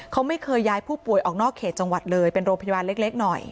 เขาไม่เคยย้ายผู้ป่วยออกนอกเขตจังหวัดเลยเป็นโรงพยาบาลเล็กหน่อย